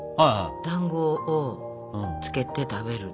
だんごをつけて食べる。